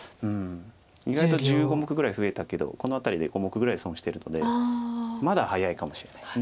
意外と１５目ぐらい増えたけどこの辺りで５目ぐらい損してるのでまだ早いかもしれないです。